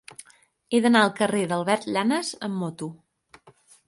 He d'anar al carrer d'Albert Llanas amb moto.